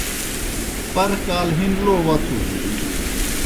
پر کال ہِن لو وتُھس۔